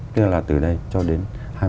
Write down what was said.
tức là từ đây cho đến